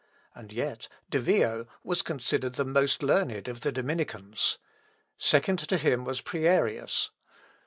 And yet De Vio was considered the most learned of the Dominicans. Second to him was Prierias.